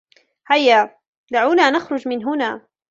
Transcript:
هيا. دعونا نخرج من هنا.